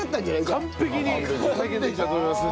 完璧に再現できたと思います。